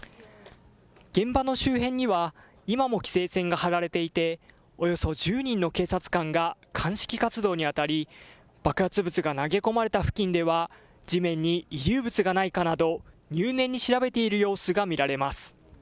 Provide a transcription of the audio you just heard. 現場の周辺には今も規制線が張られていて、およそ１０人の警察官が鑑識活動にあたり爆発物が投げ込まれた付近では地面に遺留物がないかなど入念に調べている様子が見られます。